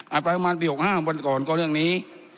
ประมาณปี๖๕วันก่อนก็เรื่องนี้